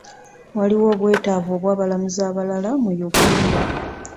Waliwo obwetaavu bw'abalamuzi abalala mu Uganda.